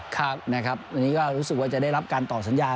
ครับนะครับอันนี้ก็รู้สึกว่าจะได้รับการตอบสัญญา